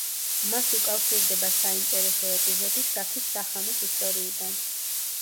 მას უკავშირდება საინტერესო ეპიზოდი შაქის სახანოს ისტორიიდან.